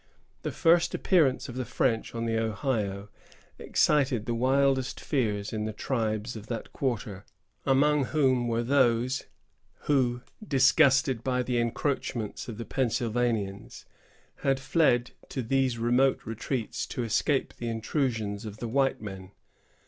The first appearance of the French on the Ohio excited the wildest fears in the tribes of that quarter, among whom were those who, disgusted by the encroachments of the Pennsylvanians, had fled to these remote retreats to escape the intrusions of the white men.